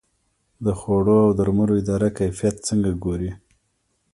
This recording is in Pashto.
د خوړو او درملو اداره کیفیت څنګه ګوري؟